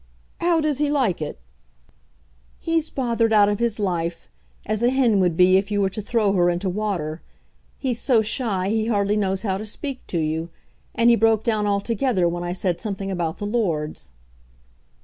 "How does he like it?" "He's bothered out of his life, as a hen would be if you were to throw her into water. He's so shy, he hardly knows how to speak to you; and he broke down altogether when I said something about the Lords."